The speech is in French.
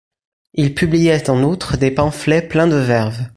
Il publiait en outre des pamphlets pleins de verve.